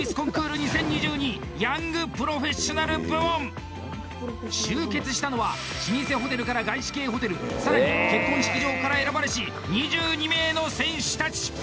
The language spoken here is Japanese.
それが集結したのは老舗ホテルから外資系ホテルさらに結婚式場から選ばれし２２名の選手たち。